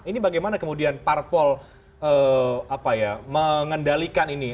ini bagaimana kemudian parpol mengendalikan ini